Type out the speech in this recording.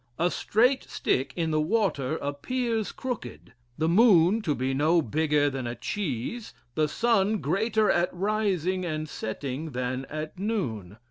A straight stick in the water appears crooked; the moon to be no bigger than a cheese; the sun greater at rising and setting than at noon.